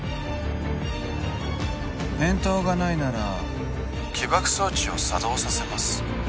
返答がないなら起爆装置を作動させます